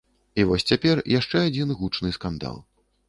І вось цяпер яшчэ адзін гучны скандал.